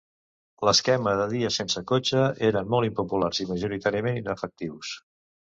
L'esquema de dies sense cotxe eren molt impopulars i majoritàriament inefectius.